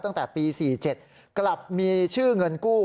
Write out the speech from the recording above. ตั้งแต่ปี๔๗กลับมีชื่อเงินกู้